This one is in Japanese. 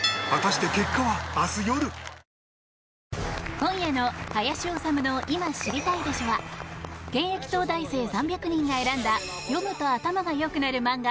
今夜の「林修の今知りたいでしょ！」は現役東大生３００人が選んだ読むと頭が良くなる漫画